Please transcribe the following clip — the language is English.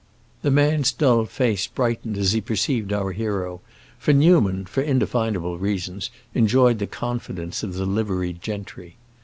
The man's dull face brightened as he perceived our hero, for Newman, for indefinable reasons, enjoyed the confidence of the liveried gentry.